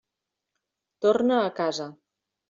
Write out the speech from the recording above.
Torna a casa.